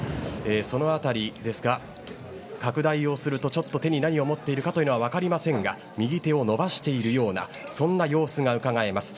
その辺り、拡大をするとちょっと手に何を持っているかは分かりませんが右手を伸ばしているような様子がうかがえます。